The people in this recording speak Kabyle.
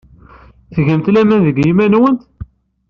Tgamt laman deg yiman-nwent?